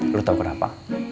lo tau kenapa